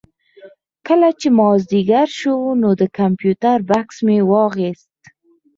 کله چې مازدیګر شو نو د کمپیوټر بکس مې واخېست.